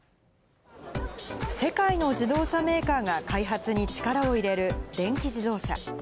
世界の自動車メーカーが開発に力を入れる電気自動車。